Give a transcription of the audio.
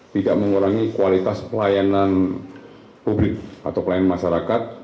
tidak mengurangi kualitas pelayanan publik atau pelayanan masyarakat